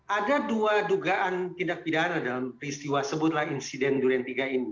ada dua dugaan tindak pidana dalam peristiwa sebutlah insiden durian tiga ini